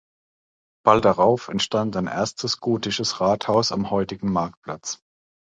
Bald darauf entstand ein erstes gotisches Rathaus am heutigen Marktplatz.